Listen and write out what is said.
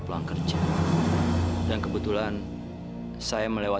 maya juga baru aja lega